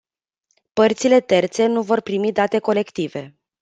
Părțile terțe nu vor primi date colective.